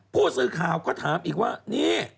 ผู้สื่อข่าวก็ถามอีกว่านี่